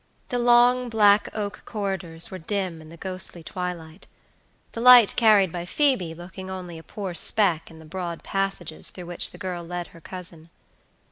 The long, black oak corridors were dim in the ghostly twilightthe light carried by Phoebe looking only a poor speck in the broad passages through which the girl led her cousin.